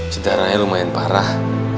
cedaranya lumayan parah